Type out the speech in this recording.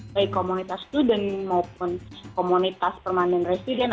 baik komunitas student maupun komunitas permanent resident